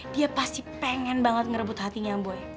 dia pasti pengen banget ngerebut hatinya boy